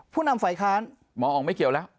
นำฝ่ายค้านหมออ๋องไม่เกี่ยวแล้ว